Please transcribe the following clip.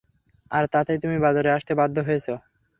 আর তাতেই তুমি বাজারে আসতে বাধ্য হয়েছো!